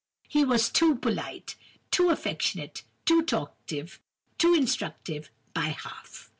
He was too polite, too affectionate, too talkative, too instructive, by half!